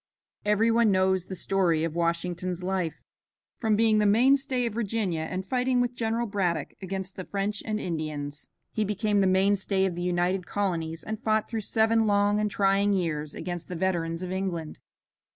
Every one knows the story of Washington's life. From being the mainstay of Virginia and fighting with General Braddock against the French and Indians, he became the mainstay of the United Colonies and fought through seven long and trying years against the veterans of England.